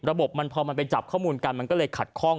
ระบบมันพอมันไปจับข้อมูลกันมันก็เลยขัดข้อง